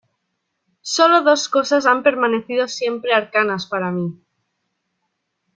sólo dos cosas han permanecido siempre arcanas para mí: